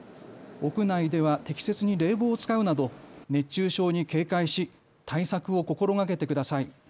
屋内では適切に冷房を使うなど熱中症に警戒し対策を心がけてください。